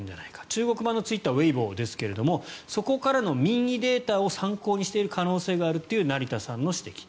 中国版のツイッターウェイボーですがそこからの民意データを参考にしている可能性があるという成田さんの指摘。